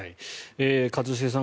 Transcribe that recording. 一茂さん